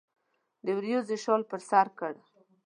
د وریځو شال پر سرکړه